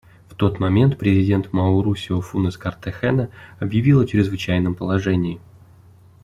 В тот момент президент Маурисио Фунес Картахена объявил о чрезвычайном положении.